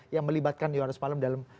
yang melibatkan yohanas malam dalam